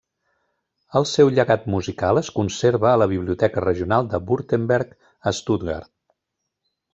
El seu llegat musical es conserva a la Biblioteca Regional de Württemberg a Stuttgart.